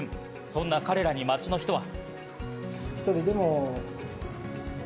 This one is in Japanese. そんな彼らに街の人は。